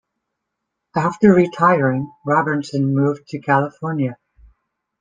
After retiring, Robertson moved to California.